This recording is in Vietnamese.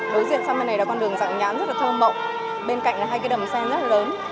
đối diện sang bên này là con đường dạng nhãn rất là thơm mộng bên cạnh là hai cái đầm sen rất là lớn